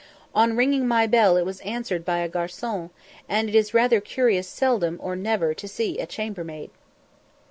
On ringing my bell it was answered by a garcon, and it is rather curious seldom or never to see a chambermaid.